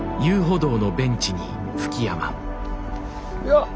よっ！